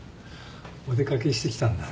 お出掛けしてきたんだね。